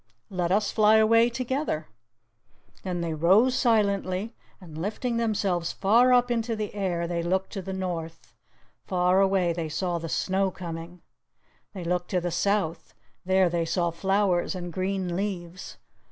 "Let us fly away together!" Then they rose silently, and, lifting themselves far up in the air, they looked to the north: far away they saw the snow coming. They looked to the south: there they saw flowers and green leaves!